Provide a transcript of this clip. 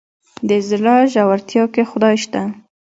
د زړه ژورتيا کې خدای شته.